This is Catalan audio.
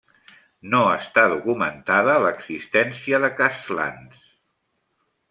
No està documentada l'existència de castlans.